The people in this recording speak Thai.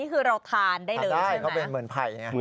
คือเราทานได้เลยใช่ไหม